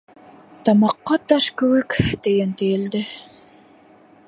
Тамаҡҡа таш кеүек төйөн төйөлдө.